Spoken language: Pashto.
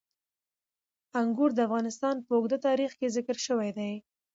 انګور د افغانستان په اوږده تاریخ کې ذکر شوی دی.